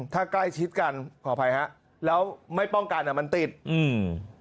ถ้าใกล้ชิดกันขออภัยฮะแล้วไม่ป้องกันอ่ะมันติดอืม